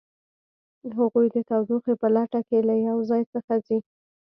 هغوی د تودوخې په لټه کې له یو ځای څخه ځي